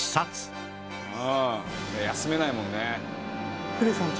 うん休めないもんね。